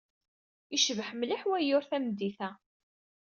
Yecbeḥ mliḥ wayyur tameddit-a.